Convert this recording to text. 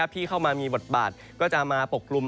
ที่เข้ามามีบทบาทก็จะมาปกกลุ่ม